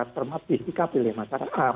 termasuk disikapi oleh masyarakat